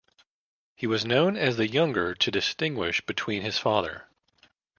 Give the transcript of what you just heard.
He was known as the younger to distinguish between his father.